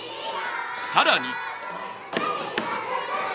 さらに。